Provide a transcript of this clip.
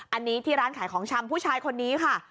อันนี้ที่ร้านขายของชำผู้ชายคนนี้ค่ะ